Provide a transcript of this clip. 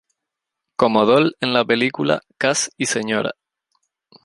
Como Doll en la película "Cass", y Sra.